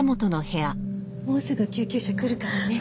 もうすぐ救急車来るからね。